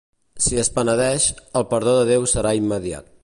Si es penedeix, el perdó de Déu serà immediat.